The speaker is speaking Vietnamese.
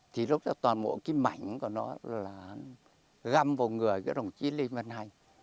thì lúc đó toàn bộ cái mảnh của nó là găm vào người cái đồng chí lê văn hành